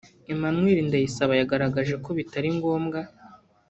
Emanuel Ndayisaba yagaragaje ko bitari ngombwa